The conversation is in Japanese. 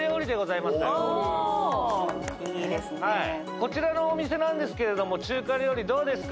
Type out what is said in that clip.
こちらのお店なんですけれども、中華料理どうですか？